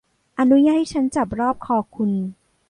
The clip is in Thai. อนุญาตให้ฉันจับรอบคอคุณ